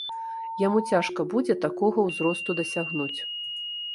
Яму цяжка будзе такога ўзросту дасягнуць.